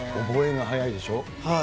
覚えが早いでしょ。